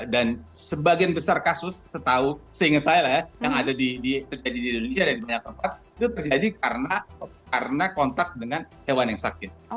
dan sebagian besar kasus setahu seingat saya lah ya yang ada di terjadi di indonesia dan di banyak tempat itu terjadi karena kontak dengan hewan yang sakit